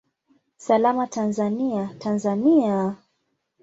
Salama Tanzania, Tanzania!